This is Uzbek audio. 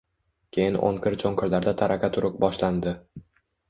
Keyin o`nqir-cho`nqirlarda taraqa-turuq boshlandi